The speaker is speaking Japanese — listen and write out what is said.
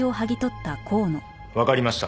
わかりました。